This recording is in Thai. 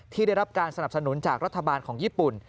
ได้รับการสนับสนุนจากรัฐบาลของญี่ปุ่น